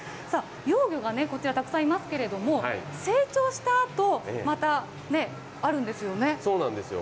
幼魚がこちら、たくさんいますけれども、成長したあと、またあるそうなんですよ。